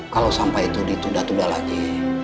kalau sampai itu ditunda tunda lagi